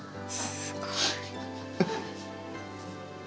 すごい。